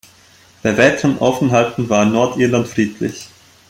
Bei weiteren Aufenthalten war Nordirland friedlich.